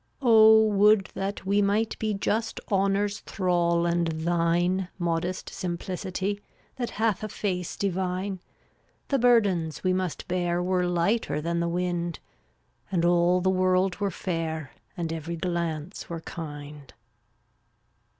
327 Oh, would that we might be Just Honor's thrall and thine, Modest Simplicity, That hath a face divine; The burdens we must bear Were lighter than the wind, And all the world were fair And every glance were kind.